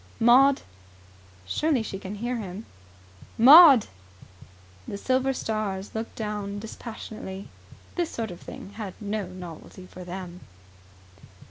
"Maud!" Surely she can hear him? "Maud!" The silver stars looked down dispassionately. This sort of thing had no novelty for them.